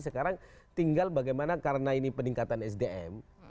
sekarang tinggal bagaimana karena ini peningkatan sdm